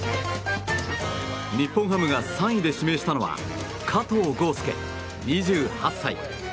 日本ハムが３位で指名したのは加藤豪将、２８歳。